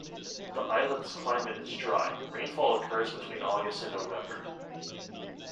The islet's climate is dry, rainfall occur between August and November.